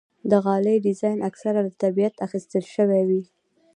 د غالۍ ډیزاین اکثره له طبیعت اخیستل شوی وي.